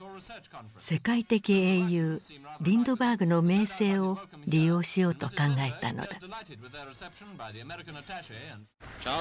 世界的英雄リンドバーグの名声を利用しようと考えたのだ。